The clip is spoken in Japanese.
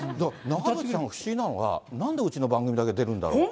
長渕さんが不思議なのが、なんでうちの番組だけ出るんだろう。